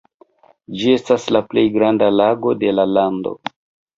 Ĝi estas la plej granda lago de la lando.